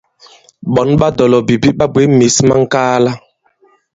Ɓɔ̌n ɓa dɔ̀lɔ̀bìbi ɓa bwě mǐs ma ŋ̀kaala.